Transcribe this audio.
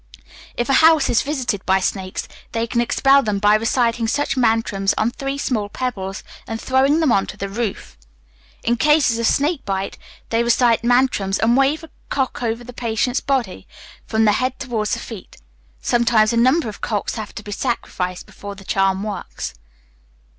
If a house is visited by snakes, they can expel them by reciting such mantrams on three small pebbles, and throwing them on to the roof. In cases of snake bite, they recite mantrams and wave a cock over the patient's body from the head towards the feet. Sometimes a number of cocks have to be sacrificed before the charm works.